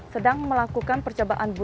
sedang melakukan percobaan